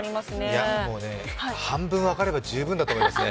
いや、半分分かれば十分だと思いますね。